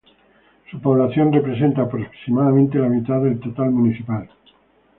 Su población representa aproximadamente la mitad del total municipal.